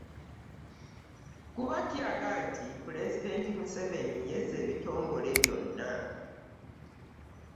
Kuba kiraga nti Pulezidenti Museveni yezza ebitongole byonna.